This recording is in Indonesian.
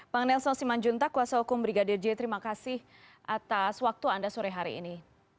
bang nelson simanjuntak kuasa hukum brigadir j terima kasih atas waktu anda sore hari ini